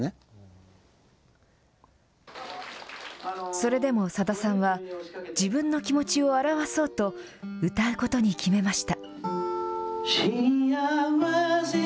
それでもさださんは、自分の気持ちを表そうと、歌うことに決めました。